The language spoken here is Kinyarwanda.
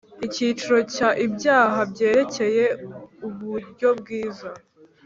Icyiciro cya Ibyaha byerekeye uburyobwiza